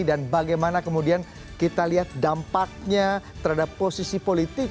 dan bagaimana kemudian kita lihat dampaknya terhadap posisi politik